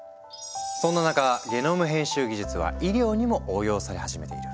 そんな中ゲノム編集技術は医療にも応用され始めている。